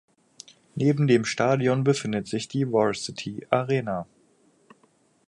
Neben dem Stadion befindet sich die Varsity Arena.